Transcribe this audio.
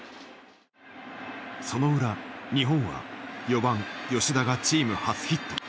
その裏日本は４番吉田がチーム初ヒット。